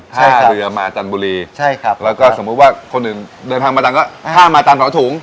ใช่ครับท่าเรือมาจันบุรีใช่ครับแล้วก็สมมุติว่าคนอื่นเดินทางมาจันทร์ก็ท่ามาจันทร์ของถุง